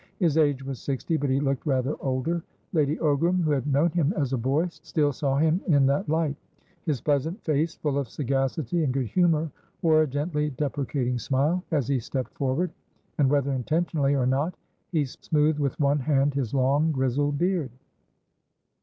His age was sixty, but he looked rather older. Lady Ogram, who had known him as a boy, still saw him in that light. His pleasant face, full of sagacity and good humour, wore a gently deprecating smile as he stepped forward, and whether intentionally or nothe smoothed with one hand his long, grizzled beard.